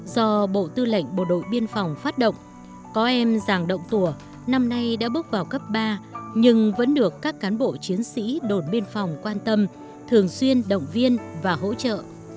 do bộ tư lệnh bộ đội biên phòng phát động có em giàng động tùa năm nay đã bước vào cấp ba nhưng vẫn được các cán bộ chiến sĩ đồn biên phòng quan tâm thường xuyên động viên và hỗ trợ